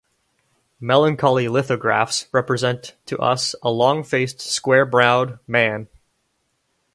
Melancholy lithographs represent to us a long-faced, square-browed man.